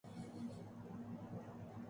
ملزمان پر تشدد کے واقعات سامنے آ رہے ہیں